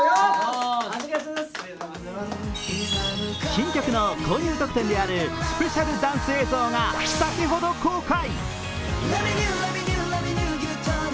新曲の購入特典であるスペシャルダンス映像が、先ほど公開。